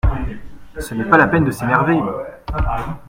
Ce n’est pas la peine de s’énerver.